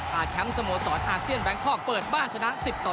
พาแชมป์สโมสรอาเซียนแวงคอร์กเปิดบ้านชนะ๑๐๒